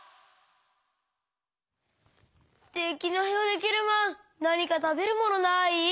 デキナイヲデキルマンなにかたべるものない？